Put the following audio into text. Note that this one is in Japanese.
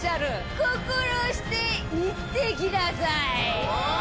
心して行ってきなさい。